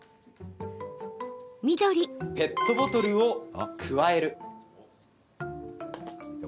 ペットボトルをくわえる。